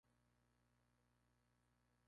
Tuvo dos hermanas mayores: Gregoria y Celestina.